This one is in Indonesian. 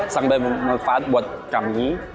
sangat mengunfah buat kami